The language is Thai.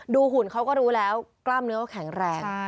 หุ่นเขาก็รู้แล้วกล้ามเนื้อเขาแข็งแรง